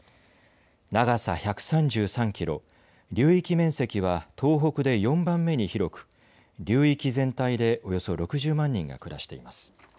長さ１３３キロ、流域面積は東北で４番目に広く流域全体でおよそ６０万人が暮らしています。